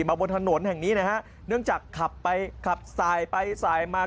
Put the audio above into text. บนถนนแห่งนี้นะฮะเนื่องจากขับไปขับสายไปสายมา